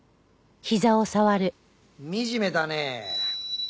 惨めだねえ。